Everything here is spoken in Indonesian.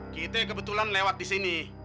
kita kebetulan lewat disini